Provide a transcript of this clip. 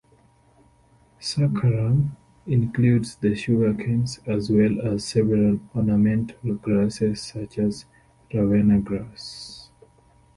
"Saccharum" includes the sugarcanes, as well as several ornamental grasses such as Ravenna grass.